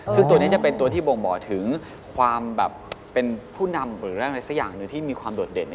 ซึ่งตัวนี้จะเป็นตัวที่บ่งบอกถึงความแบบเป็นผู้นำหรือเรื่องอะไรสักอย่างหนึ่งที่มีความโดดเด่น